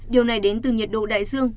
điều này đến từ nhiệt độ đại dương